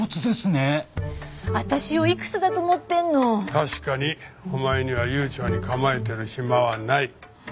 確かにお前には悠長に構えてる暇はない。